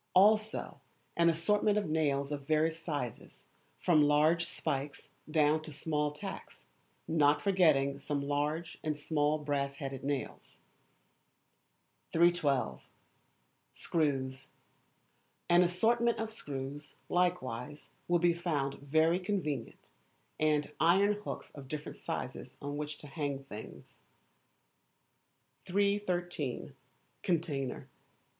Also an assortment of nails of various sizes, from large spikes down to small tacks, not forgetting some large and small brass headed nails. 312. Screws. An assortment of screws, likewise, will be found very convenient, and iron hooks of different sizes on which to hang things. 313. Container.